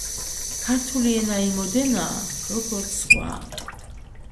ქართული ენა იმოდენაა, როგორც ზღვა